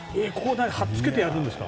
貼っつけてやるんですか？